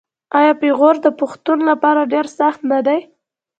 آیا پېغور د پښتون لپاره ډیر سخت نه دی؟